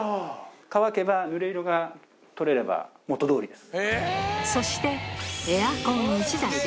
乾けば濡れ色が取れれば元通りです。